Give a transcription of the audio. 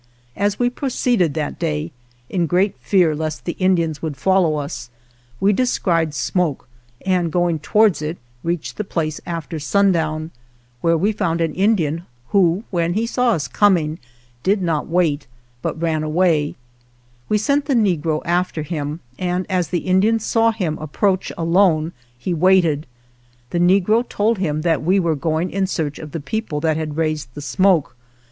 As we proceeded that day, in great fear lest the Indians would follow us, we descried smoke, and, going towards it, reached the place after sundown, where we found an Indian who, when he saw us coming, did not wait, but ran 98 ALVAR NUNEZ CABEZA DE VACA away. We sent the negro after him, and as the Indian saw him approach alone he waited. The negro told him that we were going in search of the people that had raised the smoke.